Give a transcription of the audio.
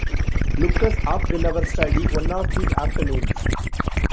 Look us up in our study one of these afternoons.